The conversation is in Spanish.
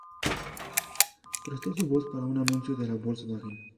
Prestó su voz para un anunció de la Volkswagen.